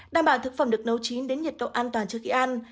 đảm bảo thực phẩm được nấu chín đến nhiệt độ an toàn trước khi ăn